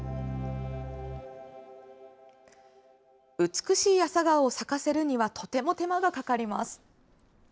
美しい朝顔を咲かせるには、とても手間がかかります。